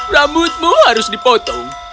rambutmu harus dipotong